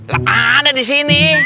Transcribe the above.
lah ada di sini